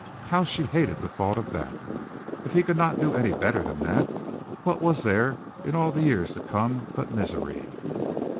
How she hated the thought of that! If he could not do any better than that, what was there in all the years to come but misery?